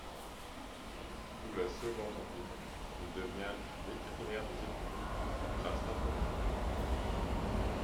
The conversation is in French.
Sous la Second Empire, il devient vétérinaire des écuries du prince Napoléon.